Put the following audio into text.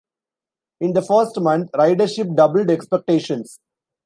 In the first month, ridership doubled expectations.